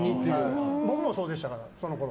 僕もそうでしたから、そのころ。